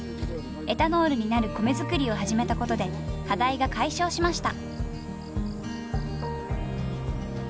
エタノールになる米作りを始めたことで課題が解消しました。